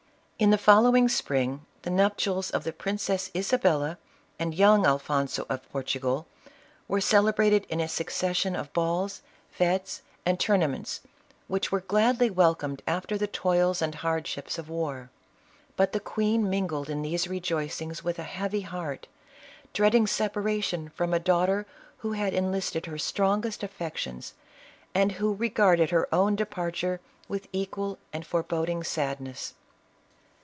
In the following spring, the nuptials of the Princess Isabella and young Alfonso of Portugal, were cele brated in a succession of balls, fetes and tournaments, 112 ISABELLA OF CASTILE. which were gladly welcomed after the toils and hard ships of war. But the queen mingled in these rejoic ings with a heavy heart, dreading separation from a daughter who had enlisted her strongest affections, and who regarded her own departure with equal and fore boding sadness.